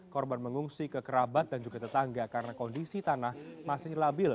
korban mengungsi ke kerabat dan juga tetangga karena kondisi tanah masih labil